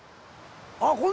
あっこれ。